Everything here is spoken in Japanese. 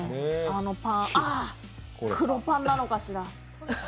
ああ、黒パンなのかしら。